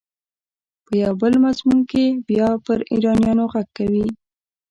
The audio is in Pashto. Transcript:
په یو بل مضمون کې بیا پر ایرانیانو غږ کوي.